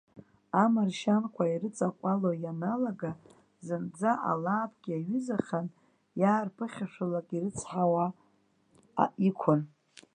Амаршьанқәа ирыҵаҟәало ианалага, зынӡа алаапк иаҩызахан, иаарԥыхьашәалак ирыцҳауа иқәын.